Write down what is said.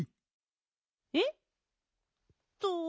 えっと